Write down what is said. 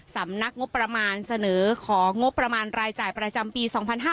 สำนักงบประมาณเสนอของงบประมาณรายจ่ายประจำปี๒๕๕๙